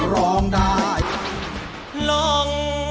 ร้องได้ให้ร้อง